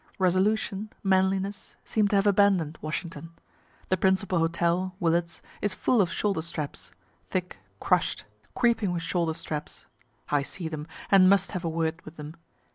Resolution, manliness, seem to have abandon'd Washington. The principal hotel, Willard's, is full of shoulder straps thick, crush'd, creeping with shoulder straps. (I see them, and must have a word with them.